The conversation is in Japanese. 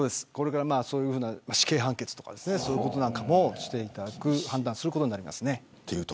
これからそういう死刑判決とかそういうこともしていただく判断することになります。